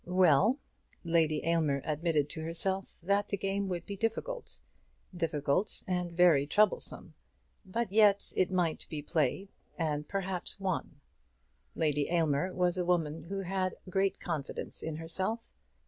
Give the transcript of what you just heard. Well; Lady Aylmer admitted to herself that the game would be difficult, difficult and very troublesome; but yet it might be played, and perhaps won. Lady Aylmer was a woman who had great confidence in herself.